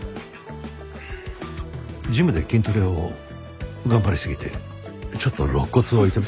ジムで筋トレを頑張りすぎてちょっと肋骨を痛めて。